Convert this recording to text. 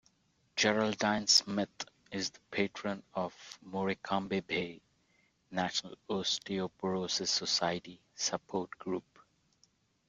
Geraldine Smith is the Patron of the Morecambe Bay National Osteoporosis Society Support Group.